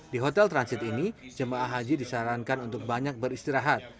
di hotel transit ini jemaah haji disarankan untuk banyak beristirahat